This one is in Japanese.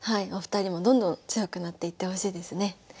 お二人もどんどん強くなっていってほしいですね。